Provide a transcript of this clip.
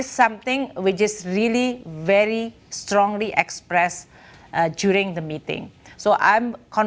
saya pikir itu adalah sesuatu yang sangat dikatakan dalam pertemuan